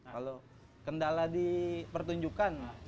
kalau kendala di pertunjukan